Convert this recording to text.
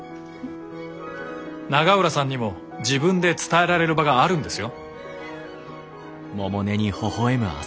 永浦さんにも自分で伝えられる場があるんですよ？